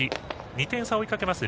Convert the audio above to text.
２点差を追いかけます